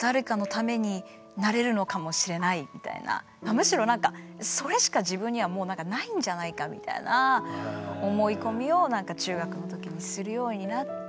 むしろなんかそれしか自分にはないんじゃないかみたいな思い込みを中学の時にするようになって。